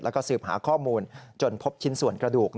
แล้วก็สืบหาข้อมูลจนพบชิ้นส่วนกระดูก